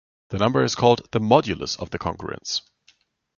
The number is called the "modulus" of the congruence.